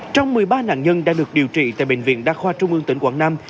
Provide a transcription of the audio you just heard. trong một mươi ba nạn nhân đã được điều trị tại bệnh viện đa khoa trung ương tỉnh quảng nam